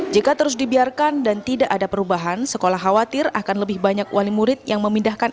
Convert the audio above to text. jika terus dibiarkan dan tidak ada perubahan sekolah khawatir akan lebih banyak wali murid yang memindahkan